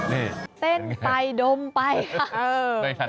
นี่เต้นไปดมไปค่ะ